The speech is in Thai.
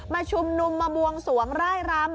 มาชุมนุมมาบวงสวงร่ายรำ